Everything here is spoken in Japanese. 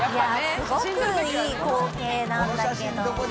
すごくいい光景なんだけど。